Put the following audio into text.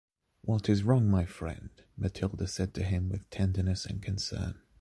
What is wrong my friend? Mathilde said to him with tenderness and concern.